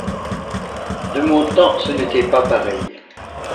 De mon temps, ce n’était pas pareil.